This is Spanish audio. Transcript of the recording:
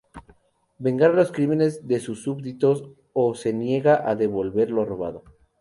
Vengar los crímenes de sus súbditos o se niega a devolver lo robado.